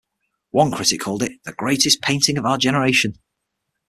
One critic called it "the greatest painting of our generation".